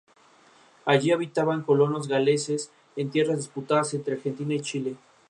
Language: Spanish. El análisis del contexto institucional lleva a la identificación de las fortalezas y debilidades.